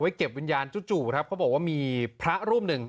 เก็บวิญญาณจู่ครับเขาบอกว่ามีพระรูปหนึ่ง